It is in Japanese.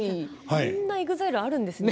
あんなＥＸＩＬＥあるんですね。